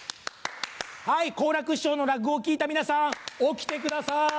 はい好楽師匠の落語を聞いた皆さん起きてください。